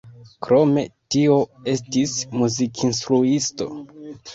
Krome tio estis muzikinstruisto.